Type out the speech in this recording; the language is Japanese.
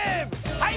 はい！